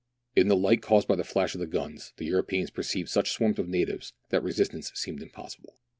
In the light caused by the flash of the guns, the Europeans perceived such swarms of natives that resistance seemed impossible.